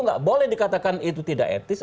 nggak boleh dikatakan itu tidak etis